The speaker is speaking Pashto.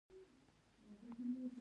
بابر اعظم د پاکستان کپتان دئ.